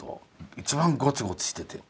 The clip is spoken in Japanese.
一番ゴツゴツしてて。